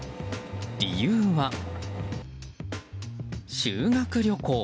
理由は修学旅行。